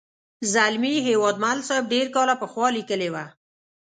زلمي هیوادمل صاحب ډېر کاله پخوا لیکلې وه.